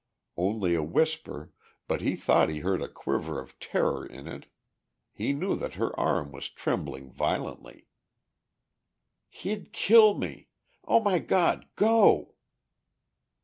Only a whisper, but he thought he heard a quiver of terror in it, he knew that her arm was trembling violently. "He'd kill me. ... Oh, my God, go!"